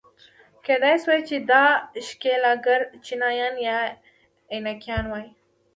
کېدای شوای چې دا ښکېلاکګر چینایان یا اینکایان وای.